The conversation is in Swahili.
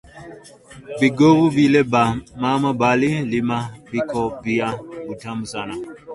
Bingovu bile ba mama bari rima biko bia butamu sana